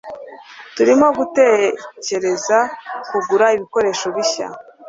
Turimo gutekereza kugura ibikoresho bishya.